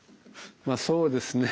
まあそうですね